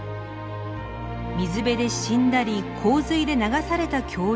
水辺で死んだり洪水で流された恐竜は。